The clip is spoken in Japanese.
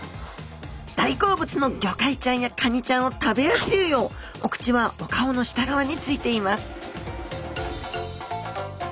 大好物のゴカイちゃんやカニちゃんを食べやすいようお口はお顔の下側についています